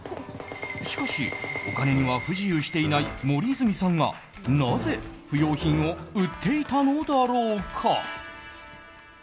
しかし、お金には不自由していない森泉さんがなぜ不用品を売っていたのだろうか。